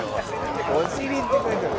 「“お尻”って書いてある」